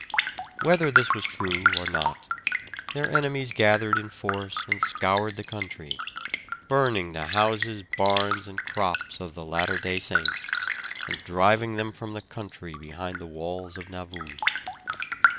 Whether this was true or not, their enemies gathered in force and scoured the country, burning the houses, barns, and crops of the Latter Day Saints, and driving them from the country behind the walls of Nauvoo.